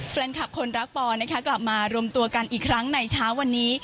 แฟนคลับคนรักปอนนะคะกลับมารวมตัวกันอีกครั้งในเช้าวันนี้